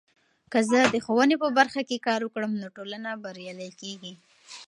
که زه د ښوونې په برخه کې کار وکړم، نو ټولنه بریالۍ کیږي.